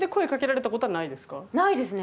ないですね。